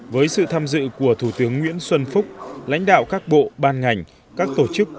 với sự tham dự của thủ tướng nguyễn xuân phúc lãnh đạo các bộ ban ngành các tổ chức